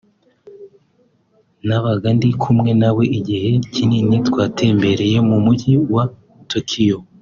nabaga ndi kumwe nawe igihe kinini twatembereye mu mujyi wa Tokyo